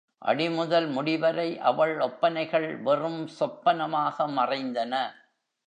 அடி முதல் முடி வரை அவள் ஒப்பனைகள் வெறும் சொப்பனமாக மறைந்தன.